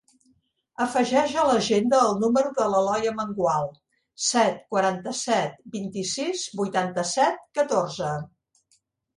Afegeix a l'agenda el número de l'Eloi Amengual: set, quaranta-set, vint-i-sis, vuitanta-set, catorze.